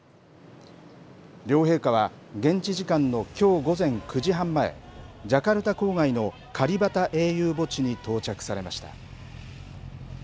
両陛下は、現地時間のきょう午前９時半前、ジャカルタ郊外のカリバタ英雄墓地に到着されました。